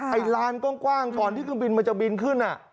ไอ้ลานกว้างก่อนที่เครื่องบินมันจะบินขึ้น